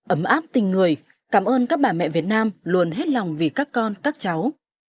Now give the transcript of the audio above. ấm áp tình người cảm ơn các bà mẹ việt nam luôn hết lòng vì các con các cháu